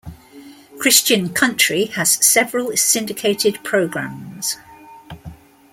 Christian country has several syndicated programs.